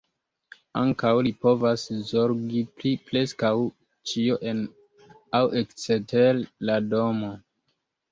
Ankaŭ li povas zorgi pri preskaŭ ĉio en aŭ ekster la domo.